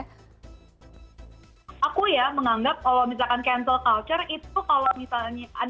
aku ya menganggap kalau misalkan cancel culture itu kalau misalnya